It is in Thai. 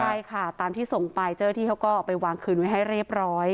ใช่ค่ะตามที่ส่งไปเจ้าหน้าที่เขาก็เอาไปวางคืนไว้ให้เรียบร้อย